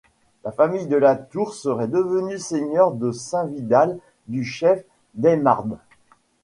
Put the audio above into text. La famille de La Tour serait devenue seigneurs de Saint-Vidal du chef d'Aymarde.